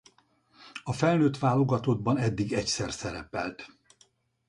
A felnőtt válogatottban eddig egyszer szerepelt.